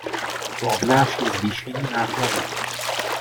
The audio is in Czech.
To obnáší zvýšení nákladů.